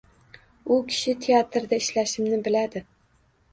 U kishi teatrda ishlashimni biladi.